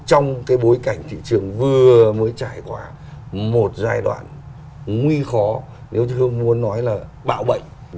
trong cái bối cảnh thị trường vừa mới trải qua một giai đoạn nguy khó nếu như ông muốn nói là bạo bệnh